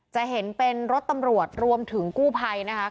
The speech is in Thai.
จะเห็นเป็นรถตำรวจรวมถึงกู้ภัยนะคะ